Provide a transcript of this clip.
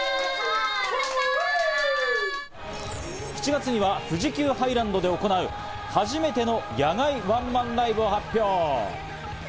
７月には富士急ハイランドで行う初めての野外ワンマンライブを発表。